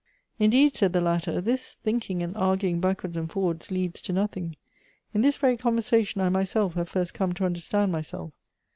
"Indeed," said the latter, "this thinking and arguing backwards and forwards leads to nothing. In this very conversation I myself have ♦'"rst come to understand myself!